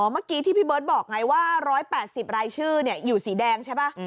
เมื่อกี้ที่พี่เบิร์ตบอกไงว่า๑๘๐รายชื่ออยู่สีแดงใช่ป่ะ